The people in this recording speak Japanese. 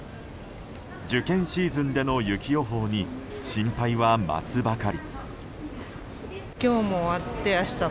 受験シーズンでの雪予報に心配は増すばかり。